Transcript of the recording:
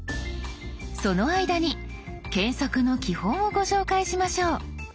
その間に検索の基本をご紹介しましょう。